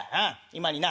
今にな